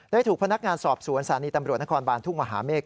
ถูกพนักงานสอบสวนสารีตำรวจนครบานทุ่งมหาเมฆ